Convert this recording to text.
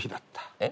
えっ？